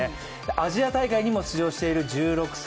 アジア大会にも出場している１６歳。